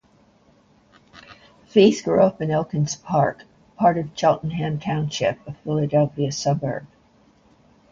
Feith grew up in Elkins Park, part of Cheltenham Township, a Philadelphia suburb.